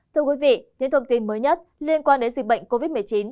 thưa quý vị những thông tin mới nhất liên quan đến dịch bệnh covid một mươi chín